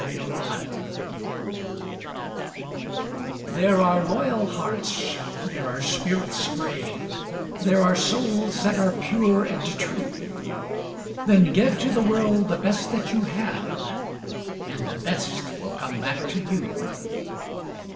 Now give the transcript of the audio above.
LIFE'S MIRROR There are loyal hearts, there are spirits brave, There are souls that are pure and true; Then give to the world the best you have. And the best will come back to you.